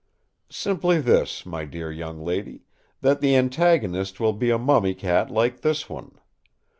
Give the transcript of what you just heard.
"Simply this, my dear young lady, that the antagonist will be a mummy cat like this one.